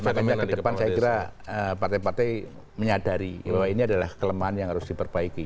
makanya ke depan saya kira partai partai menyadari bahwa ini adalah kelemahan yang harus diperbaiki